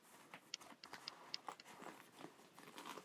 hususani katika wilaya ya Bunda ni Wasukuma ambao siku hizi wamesambaa